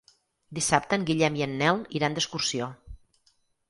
Dissabte en Guillem i en Nel iran d'excursió.